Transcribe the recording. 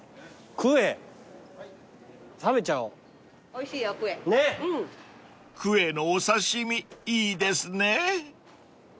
［クエのお刺し身いいですね］